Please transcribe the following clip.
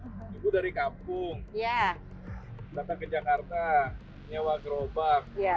ibu dari kampung datang ke jakarta nyewa gerobak